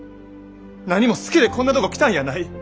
何も好きでこんなとこ来たんやない！